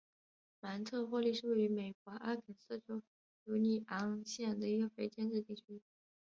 芒特霍利是位于美国阿肯色州犹尼昂县的一个非建制地区。